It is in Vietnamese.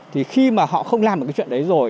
thì khi mà họ không làm được cái chuyện đấy rồi